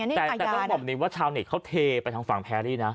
แต่ต้องบอกมันนี่ว่าชาวนิดเขาเทไปทางฝั่งแพลวีดีน่ะ